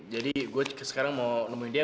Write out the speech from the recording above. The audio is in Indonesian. jadi gue sekarang mau nemuin dia